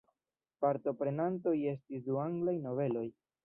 Partoprenantoj estis du anglaj nobeloj.